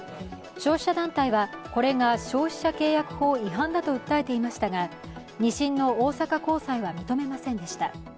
消費者団体は、これが消費者契約法違反だと訴えていましたが、２審の大阪高裁は認めませんでした